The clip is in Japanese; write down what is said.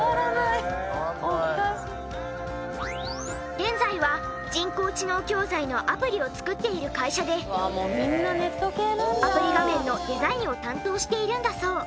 現在は人工知能教材のアプリを作っている会社でアプリ画面のデザインを担当しているんだそう。